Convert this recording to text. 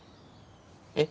えっ？